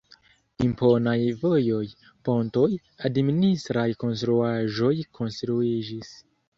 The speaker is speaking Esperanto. Imponaj vojoj, pontoj, administraj konstruaĵoj konstruiĝis.